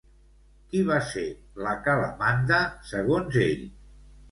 Qui va ser la Calamanda, segons ell?